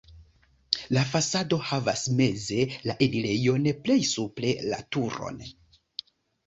La fasado havas meze la enirejon, plej supre la turon.